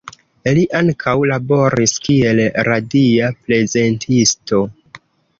Li ankaŭ laboris kiel radia prezentisto.